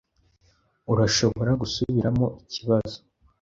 Urashobora gusubiramo ikibazo?